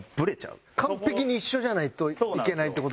完璧に一緒じゃないといけないって事ですね。